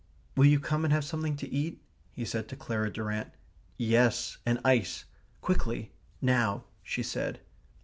"Will you come and have something to eat?" he said to Clara Durrant. "Yes, an ice. Quickly. Now," she said.